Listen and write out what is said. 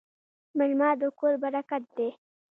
میلمه د کور برکت دی.